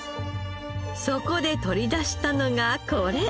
そこで取り出したのがこれ。